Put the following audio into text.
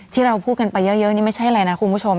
ที่เราพูดกันไปเยอะนี่ไม่ใช่อะไรนะคุณผู้ชม